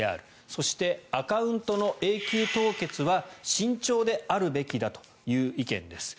そして、アカウントの永久凍結は慎重であるべきだという意見です。